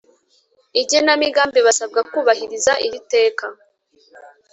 Igenamigambi basabwe kubahiriza iri teka